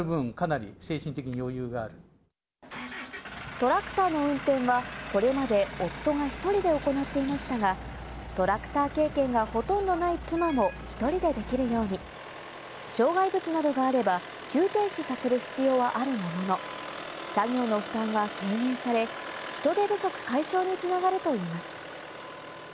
トラクターの運転はこれまで夫が１人で行っていましたが、トラクター経験がほとんどない妻も１人でできるように、障害物などがあれば急停止させる必要はあるものの、作業の負担は軽減され、人手不足解消に繋がるといいます。